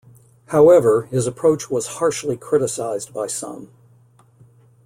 However his approach was harshly criticised by some.